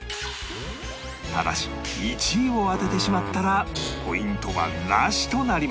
ただし１位を当ててしまったらポイントはなしとなります